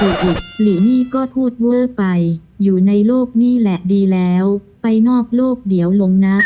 หลีนี่ก็ทูตเวอร์ไปอยู่ในโลกนี่แหละดีแล้วไปนอกโลกเดี๋ยวลงนะ